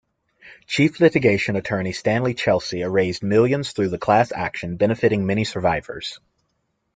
Chief litigation attorney Stanley Chesley raised millions through the class action, benefiting many survivors.